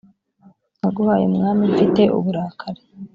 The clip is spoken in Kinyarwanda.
naguhaye umwami mfite uburakari